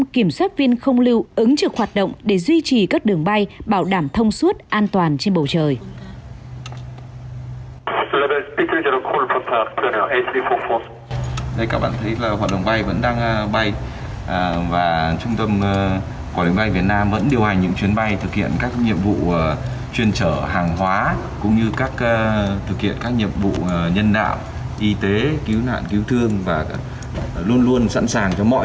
một trăm linh kiểm soát viên không lưu ứng trực hoạt động để duy trì các đường bay bảo đảm thông suốt an toàn trên bầu trời